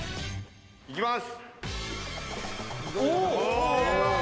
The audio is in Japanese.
行きます。